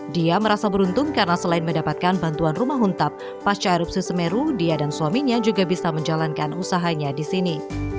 dia merasa beruntung karena selain mendapatkan bantuan rumah huntap pasca erupsi semeru dia dan suaminya juga bisa menjalankan usahanya di sini